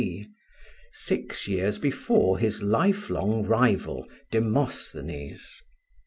C., six years before his lifelong rival Demosthenes.